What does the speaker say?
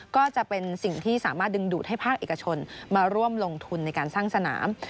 ก็จะเป็นสิ่งที่สามารถดึงดูดให้ภาคเอกชนมาร่วมลงทุนในการสร้างสนาม